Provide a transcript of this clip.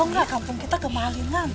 ibu tau gak kampung kita kemalingan